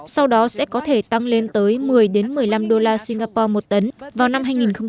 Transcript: sau đó sẽ có thể tăng lên tới một mươi một mươi năm đô la singapore một tấn vào năm hai nghìn hai mươi